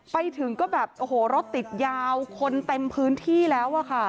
ไปถึงก็แบบโอ้โหรถติดยาวคนเต็มพื้นที่แล้วอะค่ะ